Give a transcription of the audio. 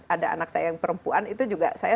ada anak saya yang perempuan itu juga saya